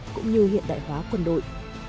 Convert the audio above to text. cũng như hiện đại hóa quân đội